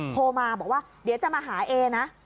โทรมาบอกว่าเดี๋ยวจะมาหาเอนะ